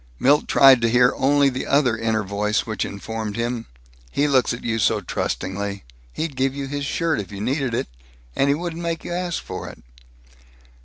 Milt tried to hear only the other inner voice, which informed him, "He looks at you so trustingly. He'd give you his shirt, if you needed it and he wouldn't make you ask for it!"